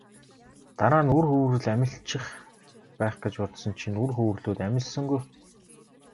Дараа нь үр хөврөл амилчих байх гэж бодсон чинь үр хөврөлүүд амилсангүй.